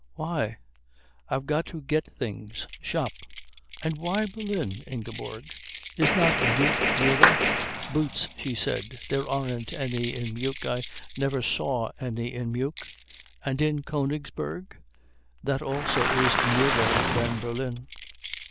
"Why?" "I've got to get things. Shop." "And why Berlin, Ingeborg? Is not Meuk nearer?" "Boots," she said. "There aren't any in Meuk. I never saw any in Meuk." "And in Königsberg? That also is nearer than Berlin."